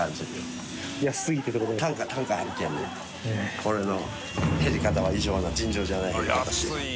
これの減り方は異常な尋常じゃない減り方。